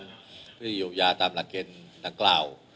ที่เพียดต่อโปรไชน์ที่ยูยาตามหลักเกณฑ์หลังกล่าว